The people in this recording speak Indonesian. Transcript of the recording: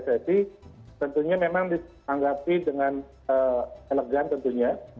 jadi tentunya memang ditanggapi dengan elegan tentunya